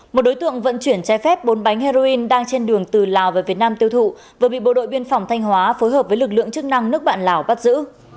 một đối tượng vận chuyển trái phép bốn bánh heroin đang trên đường từ lào về việt nam tiêu thụ vừa bị bộ đội biên phòng thanh hóa phối hợp với lực lượng chức năng nước bạn lào bắt giữ